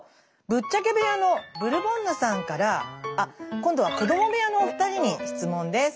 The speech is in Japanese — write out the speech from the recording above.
ぶっちゃけ部屋のブルボンヌさんから今度は子ども部屋のお二人に質問です。